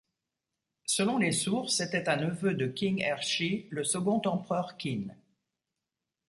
Selon les sources, c'était un neveu de Qin Er Shi, le Second Empereur Qin.